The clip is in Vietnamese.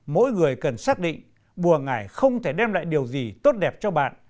mỗi người cần xác định bùa ngải không thể đem lại điều gì tốt đẹp cho bạn